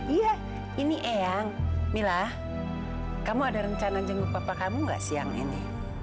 iya ini eyang mila kamu ada rencana jenguk bapak kamu gak siang ini